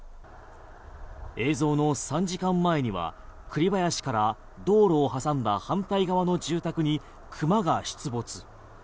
映像の３時間前には栗林から道路を挟んだ反対側の住宅に熊が出没。